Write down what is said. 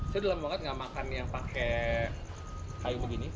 saya dalam bangat tidak makan yang pakai kayu begini